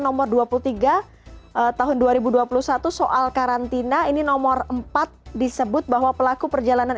nomor dua puluh tiga tahun dua ribu dua puluh satu soal karantina ini nomor empat disebut bahwa pelaku perjalanan